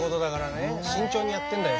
慎重にやってんだよ。